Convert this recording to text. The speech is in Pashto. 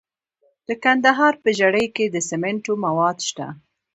د کندهار په ژیړۍ کې د سمنټو مواد شته.